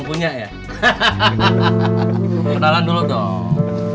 kenalan dulu dong